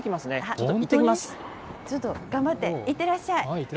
ちょっと頑張って、いってらっしゃい。